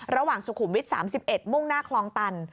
ระหว่างสุขุมวิทย์สามสิบเอ็ดมุ่งหน้าคลองตัน